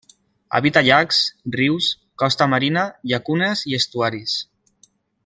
Habita llacs, rius, costa marina, llacunes i estuaris.